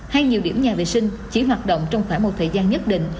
hay nhiều điểm nhà vệ sinh chỉ hoạt động trong khoảng một thời gian nhất định